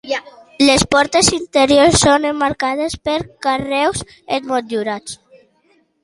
Les portes interiors són emmarcades per carreus emmotllurats.